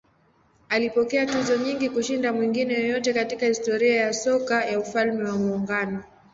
Alipokea tuzo nyingi kushinda mwingine yeyote katika historia ya soka ya Ufalme wa Muungano.